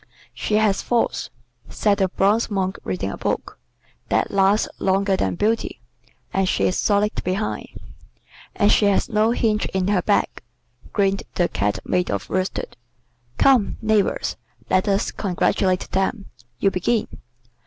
"She has thoughts," said the bronze Monk reading a book. "That lasts longer than beauty. And she is solid behind." "And she has no hinge in her back," grinned the Cat made of worsted. "Come, neighbors, let us congratulate them. You begin."